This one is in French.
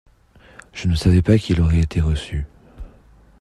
Je ne savais pas qu’il aurait été reçu.